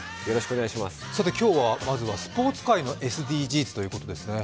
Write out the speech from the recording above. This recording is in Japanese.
今日はまずはスポーツ界のＳＤＧｓということですね。